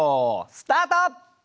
スタート！